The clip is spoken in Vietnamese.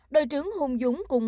đội trưởng hùng dũng cùng